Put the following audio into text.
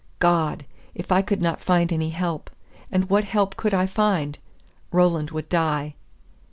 God! if I could not find any help, and what help could I find? Roland would die.